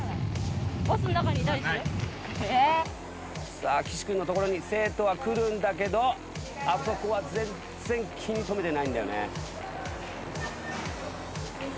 さあ岸君の所に生徒は来るんだけどあそこは全然気に留めてないんだよね。